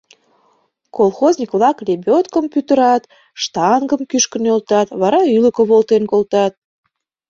Колхозник-влак лебёдкым пӱтырат, штангым кӱшкӧ нӧлтат, вара ӱлыкӧ волтен колтат.